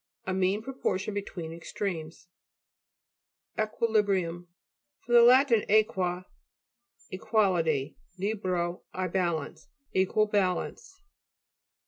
A mean proportion between extremes. Eauin'BRiUM fr. lat. segue, equal ly, libra, I balance. Equal balance.